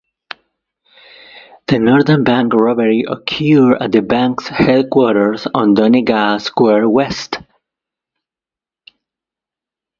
The Northern Bank robbery occurred at the bank's headquarters on Donegall Square West.